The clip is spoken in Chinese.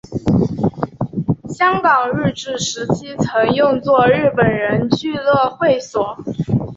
香港日治时期曾用作日本人俱乐部会所。